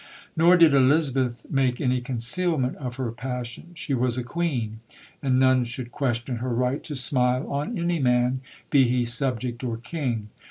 Nor did Elizabeth make any concealment of her passion. She was a Queen; and none should question her right to smile on any man, be he subject or king.